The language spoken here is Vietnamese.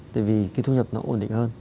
tại vì cái thu nhập nó ổn định hơn